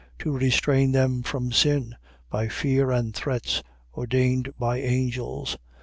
. .To restrain them from sin, by fear and threats. Ordained by angels.